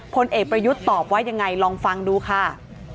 ผลเอกประยุทธ์ตอบว่ายังไงลองฟังดูค่ะ